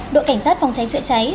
đội cảnh sát phòng cháy trợ cháy